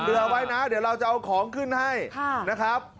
เหลือไว้นะเดี๋ยวเราจะเอาของขึ้นให้นะครับ